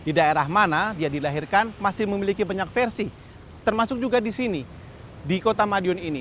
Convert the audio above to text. di daerah mana dia dilahirkan masih memiliki banyak versi termasuk juga di sini di kota madiun ini